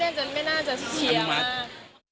แต่ดูพ่อก็ไม่น่าจะเชียร์มาก